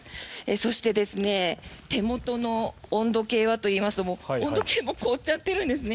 そして手元の温度計はといいますと温度計も凍っちゃってるんですね。